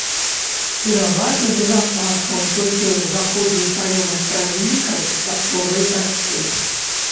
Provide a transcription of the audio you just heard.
Пераважна без ападкаў, толькі ў заходніх раёнах краіны кароткачасовыя дажджы.